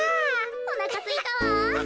おなかすいたわ。